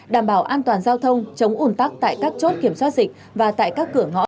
đảm bảo an toàn giao thông chống ủn tắc tại các chốt kiểm soát dịch và tại các cửa ngõ